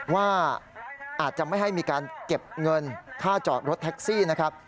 ว่าอาจจะไม่ให้มีการเก็บเงินค่าจอดรถแท็กซี่นะครับ